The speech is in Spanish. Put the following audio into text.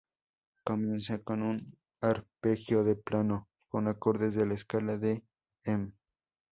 Comienza con un arpegio de piano con acordes de la escala de Em.